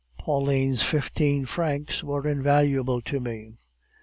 "Pauline's fifteen francs were invaluable to me.